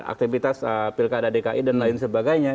aktivitas pilkada dki dan lain sebagainya